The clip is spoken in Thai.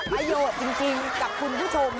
มาโยดจริงกับคุณผู้ชม